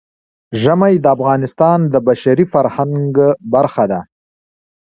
ژمی د افغانستان د بشري فرهنګ برخه ده.